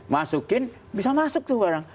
masukin bisa masuk tuh barang